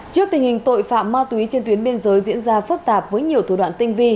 trước tình hình tội phạm ma túy trên tuyến biên giới diễn ra phức tạp với nhiều thủ đoạn tinh vi